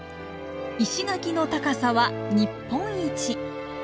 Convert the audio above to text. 石垣の高さは日本一。